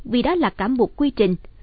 vì đó là cả một quy trình